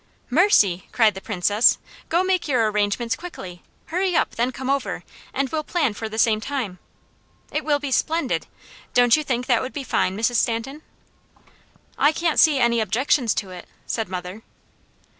"Mercy!" cried the Princess. "Go make your arrangements quickly! Hurry up, then come over, and we'll plan for the same time. It will be splendid! Don't you think that would be fine, Mrs. Stanton?" "I can't see any objections to it," said mother.